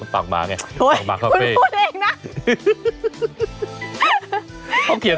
ปากม้าไงปากม้าคาเฟ่ผมพูดเองน่ะ